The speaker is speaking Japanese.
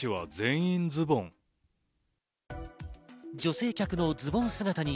女性客のズボン姿に